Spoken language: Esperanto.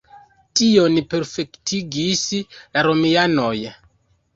Tion perfektigis la romianoj.